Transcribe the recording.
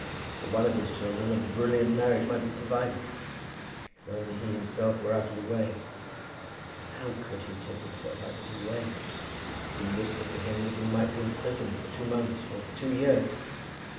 For one of his children a brilliant marriage might be provided, if only he himself were out of the way. How could he take himself out of the way? It had been whispered to him that he might be imprisoned for two months, or for two years.